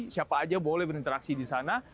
siapa aja boleh berinteraksi di sana